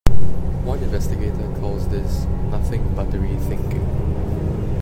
One investigator calls this "nothing buttery" thinking.